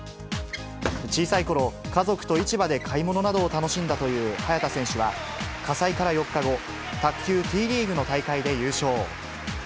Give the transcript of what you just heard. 小さいころ、家族と市場で買い物などを楽しんだという早田選手は、火災から４日後、卓球Ｔリーグの大会で優勝。